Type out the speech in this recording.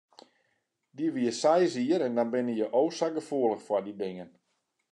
Dy wie seis jier en dan binne je o sa gefoelich foar dy dingen.